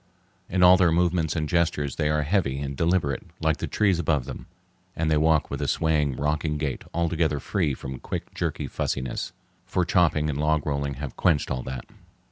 In all their movements and gestures they are heavy and deliberate like the trees above them, and they walk with a swaying, rocking gait altogether free from quick, jerky fussiness, for chopping and log rolling have quenched all that.